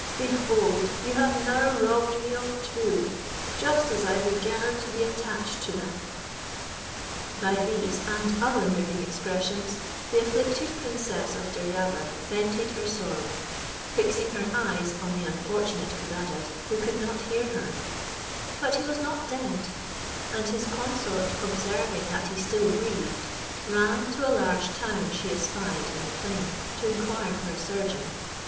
Behold you have now robbed me of two, just as I began to be attached to them." By these and other moving expressions, the afflicted princess of Deryabar vented her sorrow, fixing her eyes on the unfortunate Codadad, who could not hear her; but he was not dead, and his consort observing that he still breathed, ran to a large town she espied in the plain, to inquire for a surgeon.